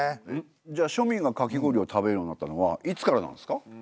じゃあ庶民がかき氷を食べるようになったのはいつからなんですか？